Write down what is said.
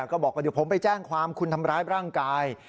ก็บอกให้ดิวผมไปแจ้งความคุณทำร้ายอ้างกาย